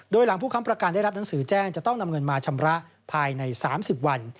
โดยหลังผู้ค้ำประกันได้รับหนังสือแจ้งจะต้องนำเงินมาชำระภายใน๓๐วัน